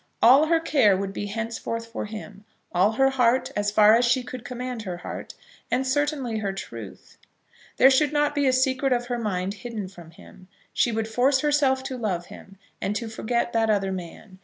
All her care would be henceforth for him, all her heart, as far as she could command her heart, and certainly all her truth. There should not be a secret of her mind hidden from him. She would force herself to love him, and to forget that other man.